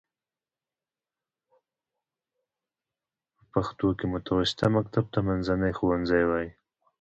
په پښتو کې متوسطه مکتب ته منځنی ښوونځی وايي.